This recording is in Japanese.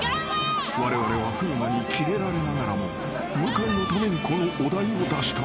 ［われわれは風磨にキレられながらも向井のためにこのお題を出したのだ］